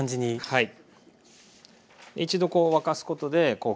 はい。